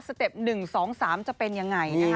สเต็ปหนึ่งสองสามจะเป็นอย่างไร